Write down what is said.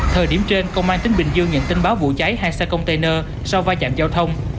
thời điểm trên công an tỉnh bình dương nhận tin báo vụ cháy hai xe container sau va chạm giao thông